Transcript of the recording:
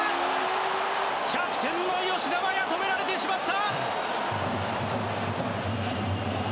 キャプテンの吉田麻也止められてしまった！